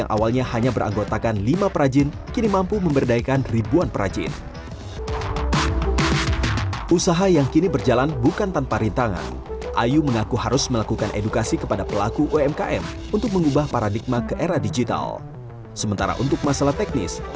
awalnya dari dua anyam terus akhirnya bisa menjadi kreologi